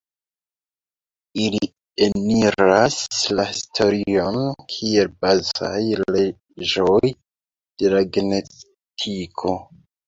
Ili eniras la historion kiel bazaj leĝoj de la genetiko.